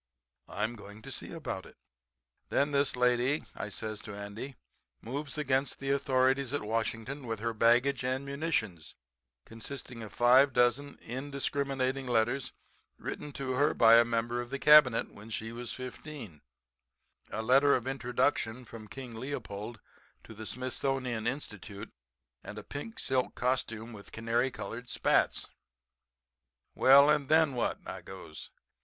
I'm going to see about it." "'Then this lady,' I says to Andy, 'moves against the authorities at Washington with her baggage and munitions, consisting of five dozen indiscriminating letters written to her by a member of the Cabinet when she was 15; a letter of introduction from King Leopold to the Smithsonian Institution, and a pink silk costume with canary colored spats. "'Well and then what?' I goes.